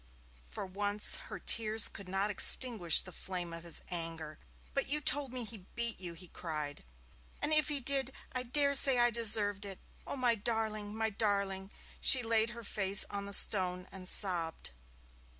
For once her tears could not extinguish the flame of his anger. 'But you told me he beat you,' he cried. 'And if he did, I dare say I deserved it. Oh, my darling, my darling!' She laid her face on the stone and sobbed.